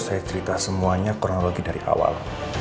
saya cerita semuanya kronologi dari awal